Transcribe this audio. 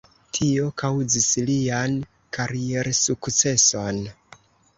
Tio kaŭzis lian kariersukceson.